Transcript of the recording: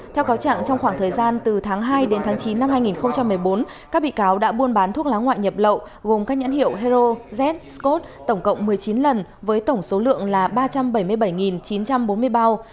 theo cáo trạng trong khoảng thời gian từ tháng hai đến tháng chín năm hai nghìn một mươi bốn các bị cáo đã buôn bán thuốc lá ngoại nhập lậu gồm các nhãn hiệu hero z scot tổng cộng một mươi chín lần với tổng số lượng là ba trăm bảy mươi bảy chín trăm bốn mươi bao